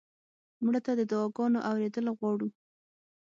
مړه ته د دعا ګانو اورېدل غواړو